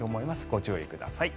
ご注意ください。